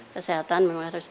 kesehatan memang harus di